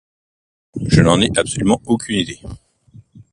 Je n'en ai absolument aucune idée